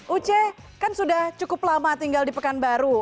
uce kan sudah cukup lama tinggal di pekanbaru